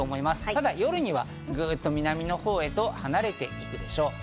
ただ夜にはグッと南のほうへと離れていくでしょう。